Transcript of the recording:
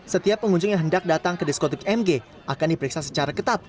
setiap pengunjung yang hendak datang ke diskotik mg akan diperiksa secara ketat